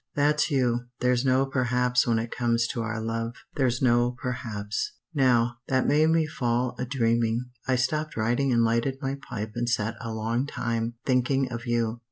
That's you. There's no perhaps when it comes to our love. There's no perhaps "Now, that made me fall a dreaming. I stopped writing and lighted my pipe and sat a long time, thinking of you.